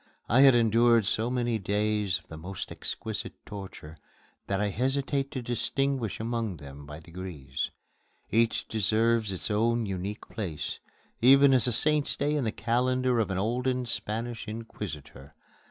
I have endured so many days of the most exquisite torture that I hesitate to distinguish among them by degrees; each deserves its own unique place, even as a Saint's Day in the calendar of an olden Spanish inquisitor.